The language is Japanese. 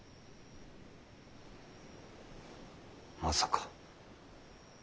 まさか。